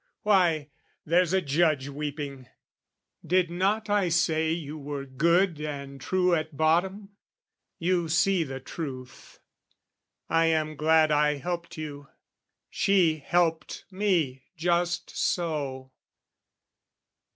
Why, there's a Judge weeping! Did not I say You were good and true at bottom? You see the truth I am glad I helped you: she helped me just so.